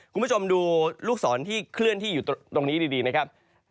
คุณผู้ชมดูลูกศรที่เคลื่อนที่อยู่ตรงนี้ดีไหมครับ